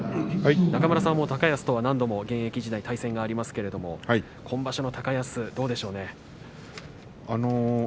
中村さんも高安と現役時代対戦がありますけれども今場所の高安、どうでしょうね？